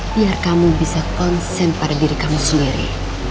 biar kamu bisa konsen pada diri kami sendiri